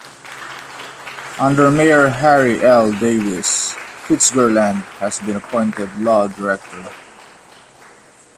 Under Mayor Harry L. Davis, FitzGerald was appointed law director.